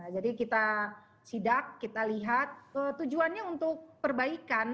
jadi kita sidak kita lihat tujuannya untuk perbaikan